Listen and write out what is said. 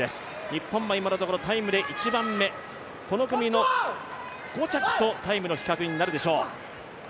日本は今のところタイムで１番目、この組の５着とタイムの比較になるでしょう。